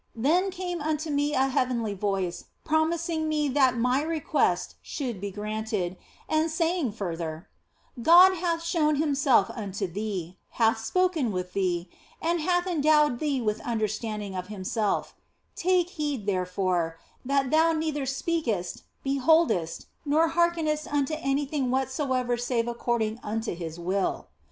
Then came unto me a heavenly voice promising me that my request should be granted, and saying fur ther :" God hath shown Himself unto thee, hath spoken with thee, and hath endowed thee with understanding of Himself ; take heed, therefore, that thou neither speakest, beholdest, nor hearkenest unto anything what soever save according unto His will."